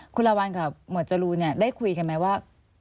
คุณละวันกับหมวดจรูนได้คุยกันไหมว่า